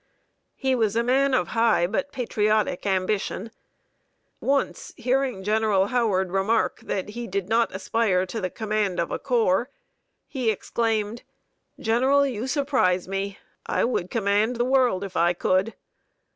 He was a man of high but patriotic ambition. Once, hearing General Howard remark that he did not aspire to the command of a corps, he exclaimed, "General you surprise me. I would command the world, if I could!"